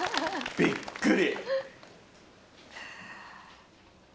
びっくり！